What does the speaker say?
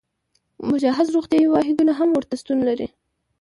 مجهز روغتیايي واحدونه هم ورته شتون لري.